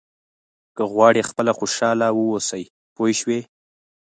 که غواړئ خپله خوشاله واوسئ پوه شوې!.